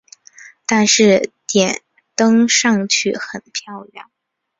但是点灯上去很漂亮